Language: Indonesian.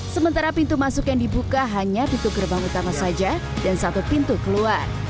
sementara pintu masuk yang dibuka hanya pintu gerbang utama saja dan satu pintu keluar